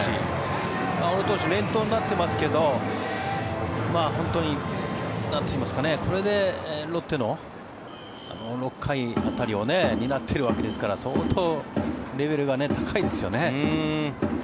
小野投手、連投になってますが本当にこれでロッテの６回辺りを担っているわけですから相当、レベルが高いですよね。